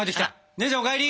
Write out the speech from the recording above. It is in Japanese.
姉ちゃんお帰り！